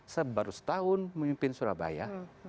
saya baru setahun memimpin surabaya